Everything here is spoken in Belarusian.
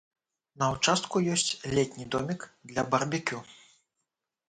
На ўчастку ёсць летні домік для барбекю.